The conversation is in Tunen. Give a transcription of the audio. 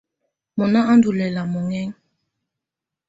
Mɔ̀na á ndù lɛ̀la mɔ̀ŋɛ̀ŋa.